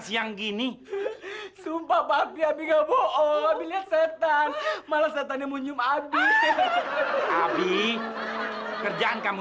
siang gini sumpah tapi abiga bawa beli setan malah setannya menyumat abie kerjaan kamu